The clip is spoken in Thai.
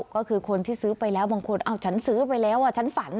ก็คือคนที่ซื้อไปแล้วบางคนฉันซื้อไปแล้วฉันฝัน